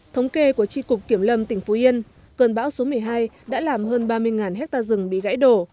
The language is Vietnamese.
thống kê của tri cục kiểm lâm tỉnh phú yên cơn bão số một mươi hai đã làm hơn ba mươi hectare rừng bị gãy đổ